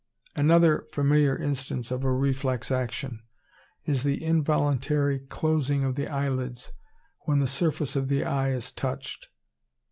Another familiar instance of a reflex action is the involuntary closing of the eyelids when the surface of the eye is touched.